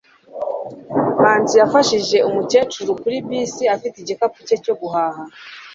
manzi yafashije umukecuru kuri bisi afite igikapu cye cyo guhaha